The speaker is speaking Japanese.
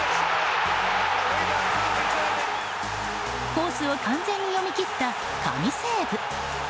コースを完全に読み切った神セーブ。